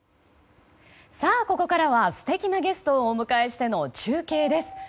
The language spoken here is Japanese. ここからは素敵なゲストをお迎えしての中継です。